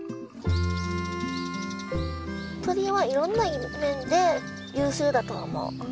鳥はいろんな面で優秀だとは思う。